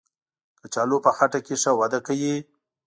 کچالو په خټه کې ښه وده کوي